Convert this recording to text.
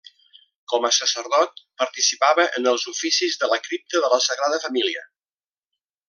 Com a sacerdot, participava en els oficis de la Cripta de la Sagrada Família.